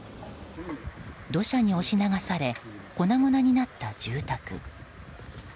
土砂に押し流され粉々になった住宅。